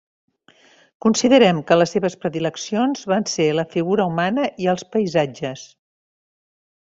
Considerem que les seves predileccions van ser la figura humana i els paisatges.